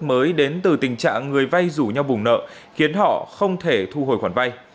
mới đến từ tình trạng người vay rủ nhau bùng nợ khiến họ không thể thu hồi khoản vay